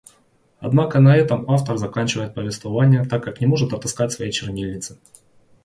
Однако на этом автор заканчивает повествование, так как не может отыскать своей чернильницы.